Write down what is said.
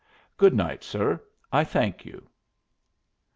"Good night, sir. I thank you."